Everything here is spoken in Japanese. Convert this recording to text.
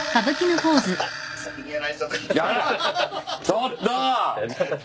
ちょっと！